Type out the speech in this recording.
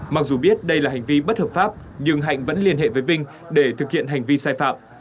mặc dù biết đây là hành vi bất hợp pháp nhưng hạnh vẫn liên hệ với vinh để thực hiện hành vi sai phạm